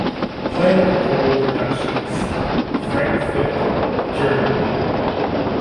Planet Core Productions, Frankfurt, Germany.